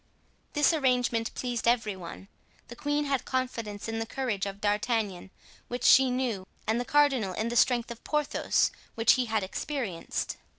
This arrangement pleased every one. The queen had confidence in the courage of D'Artagnan, which she knew, and the cardinal in the strength of Porthos, which he had experienced.